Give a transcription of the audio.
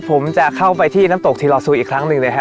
ผมจะเข้าไปที่น้ำตกทีลอซูอีกครั้งหนึ่งนะฮะ